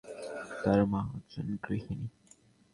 তার বাবা একজন প্রকৌশলী এবং তার মা একজন গৃহিণী।